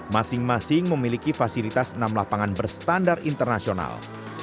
masing masing memiliki fasilitas enam lapangan berstandar internasional